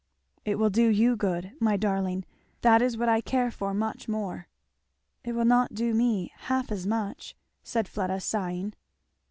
"It will do you good, my darling that is what I care for much more." "It will not do me half as much," said Fleda sighing.